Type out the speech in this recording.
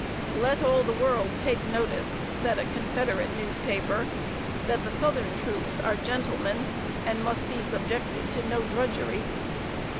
"Let all the world take notice," said a Confederate newspaper, "that the southern troops are gentlemen, and must be subjected to no drudgery."